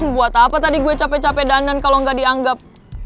buat apa tadi gue capek capek danan kalau nggak dianggap